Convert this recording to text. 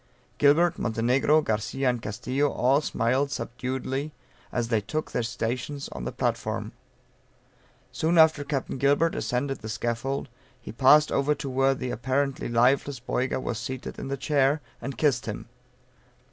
Gilbert, Montenegro, Garcia and Castillo all smiled subduedly as they took their stations on the platform. Soon after Capt. Gilbert ascended the scaffold, he passed over to where the apparently lifeless Boyga was seated in the chair, and kissed him.